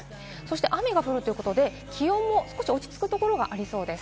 雨が降るということで、気温も少し落ち着くところがありそうです。